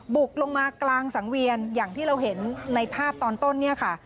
บุกลงมากลางสังเวียนอย่างที่เราเห็นในภาพตอนต้นเนี่ยค่ะ